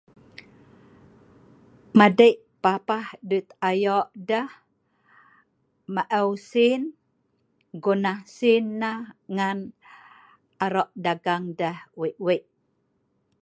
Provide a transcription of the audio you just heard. madei papah dut ayok deh maeu sin gona sin neh ngan arok dagang deh weik weik